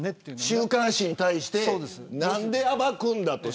週刊誌に対して何で暴くんだと。